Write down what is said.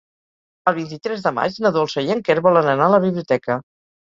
El vint-i-tres de maig na Dolça i en Quer volen anar a la biblioteca.